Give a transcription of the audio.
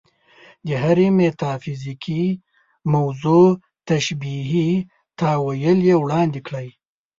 د هرې میتافیزیکي موضوع تشبیهي تأویل یې وړاندې کړی.